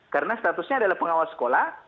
karena statusnya adalah pengawal sekolah